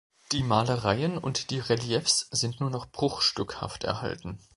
Die Malereien und die Reliefs sind nur noch bruchstückhaft erhalten.